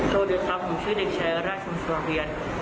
สวัสดีครับผมชื่อเด็กชายราชสวัสดีครับ